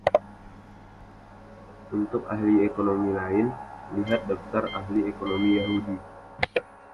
Untuk ahli ekonomi lain, lihat Daftar ahli ekonomi Yahudi.